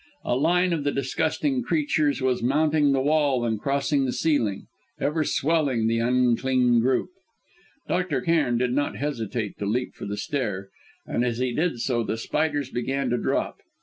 A line of the disgusting creatures was mounting the wall and crossing the ceiling, ever swelling the unclean group! Dr. Cairn did not hesitate to leap for the stair, and as he did so the spiders began to drop.